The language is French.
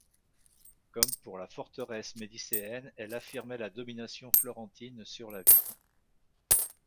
Comme pour la forteresse médicéenne elle affirmait la domination florentine sur la ville.